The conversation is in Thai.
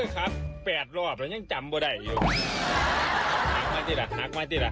ใส่พวกหน่อยสือกใส่น่ะโง่อ่ะหนิ